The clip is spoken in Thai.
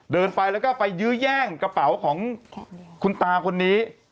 เดินไปแล้วก็ไปยื้อแย่งกระเป๋าของคุณตาคนนี้